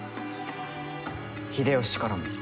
秀吉からも。